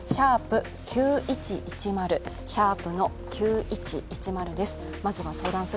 ＃９１１０、＃９１１０です。